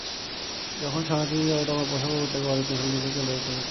যখন শরণার্থীশিবিরে যাই, তখন পোষা কুকুরটাকে বাড়িতে ফেলে রেখে চলে যেতে হয়েছিল।